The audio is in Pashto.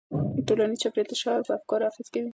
ټولنیز چاپیریال د شاعر په افکارو اغېز کوي.